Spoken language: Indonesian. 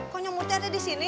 kok nyomutnya ada di sini